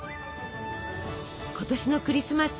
今年のクリスマス。